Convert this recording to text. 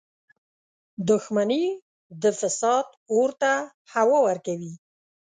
• دښمني د فساد اور ته هوا ورکوي.